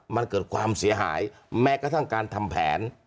มันเกิดความเสียหายแม้กระทั่งการทำแผน